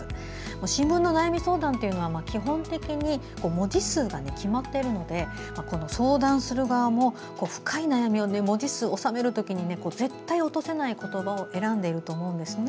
新聞の悩み相談というのは基本的に文字数が決まっているので相談する側も、深い悩みを文字数に収めるときに絶対落とせない言葉を選んでいると思うんですね。